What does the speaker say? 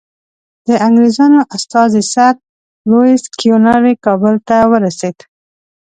د انګریزانو استازی سر لویس کیوناري کابل ته ورسېد.